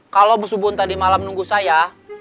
kalau bos bubun tadi malam nunggu saya